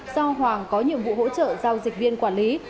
do hoàng có nhiệm vụ hỗ trợ giao dịch viên quản lý